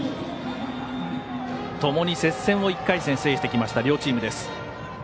ともに接戦を１回戦、制してきた両チームです。